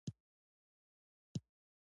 حواله سیستم د پیسو لیږد اسانه کوي